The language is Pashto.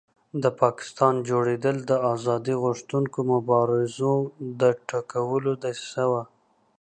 د پاکستان جوړېدل د آزادۍ غوښتونکو مبارزو د ټکولو دسیسه وه.